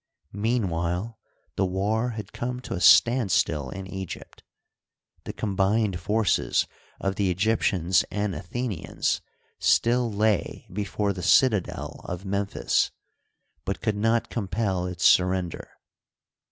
Meanwhile the war had come to a standstill in Egypt. The combined forces of the Egyptians and Athenians still lay before the citadel of Memphis, but could not compel its surrender.